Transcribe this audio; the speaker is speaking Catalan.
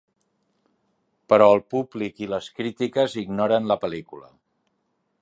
Però el públic i les crítiques ignoren la pel·lícula.